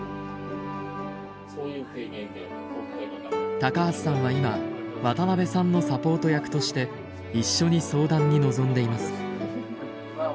高橋さんは今渡邊さんのサポート役として一緒に相談に臨んでいます。